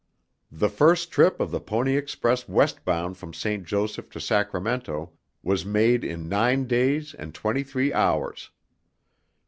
The first trip of the Pony Express westbound from St. Joseph to Sacramento was made in nine days and twenty three hours.